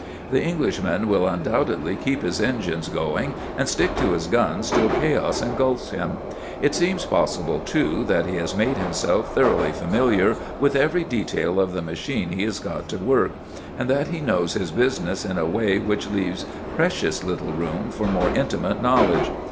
The Englishman will undoubtedly keep his engines going and stick to his guns till chaos engulfs him. It seems possible, too, that he has made himself thoroughly familiar with every detail of the machine he has got to work, and that he knows his business in a way which leaves precious little room for more intimate knowledge.